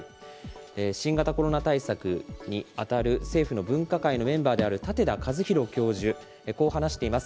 新型コロナ対策に当たる政府の分科会のメンバーである舘田一博教授、こう話しています。